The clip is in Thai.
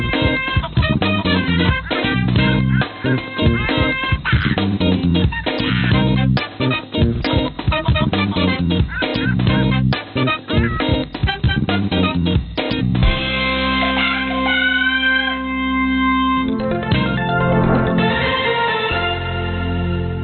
สวัสดีครับ